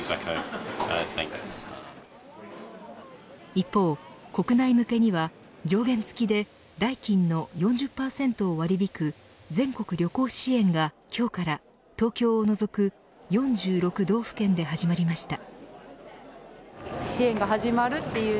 一方、国内向けには上限付きで代金の４０％を割り引く全国旅行支援が今日から、東京を除く４６道府県で始まりました。